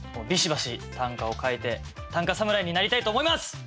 びしばし短歌を書いて短歌侍になりたいと思います！